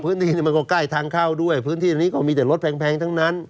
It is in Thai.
พื้นที่มันก็ใกล้ทางเข้าด้วยพื้นที่นี้ก็มีแต่รถแพงทั้งนั้น